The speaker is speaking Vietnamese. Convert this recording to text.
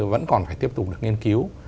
vẫn còn phải tiếp tục được nghiên cứu